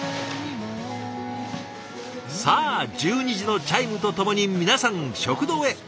さあ１２時のチャイムとともに皆さん食堂へ。